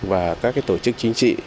và các tổ chức chính trị